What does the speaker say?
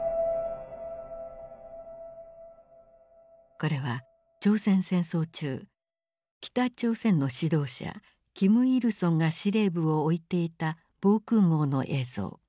これは朝鮮戦争中北朝鮮の指導者金日成が司令部を置いていた防空壕の映像。